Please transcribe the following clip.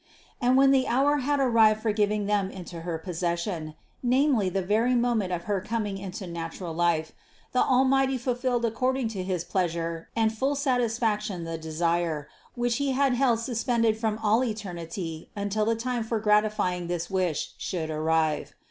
And when the hour had arrived for giving them into her possession, namely the very moment of her coming into natural life, the Almighty fulfilled accord ing to his pleasure and full satisfaction the desire, which He had held suspended from all eternity until the time for gratifying this wish should arrive.